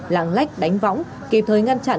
lãng lách đánh võng kịp thời ngăn chặn